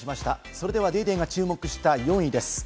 それでは『ＤａｙＤａｙ．』が注目した４位です。